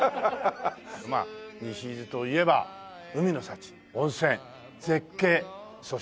まあ西伊豆といえば海の幸温泉絶景そして夕日という。